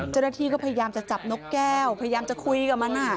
เจ้าหน้าที่ก็พยายามจะจับนกแก้วพยายามจะคุยกับมัน